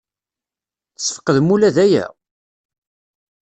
Tesfeqdem ula d aya?